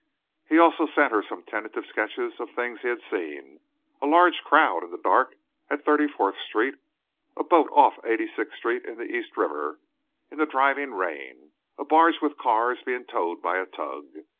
He also sent her some tentative sketches of things he had seen a large crowd in the dark at 34th Street; a boat off 86th Street in the East River in the driving rain; a barge with cars being towed by a tug.